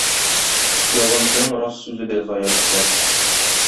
Ялганчының рас сүзе дә зая китәр.